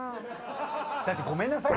だって「ごめんなさい。